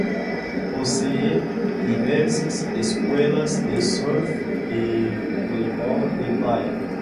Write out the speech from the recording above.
Posee diversas escuelas de surf y voleibol de playa.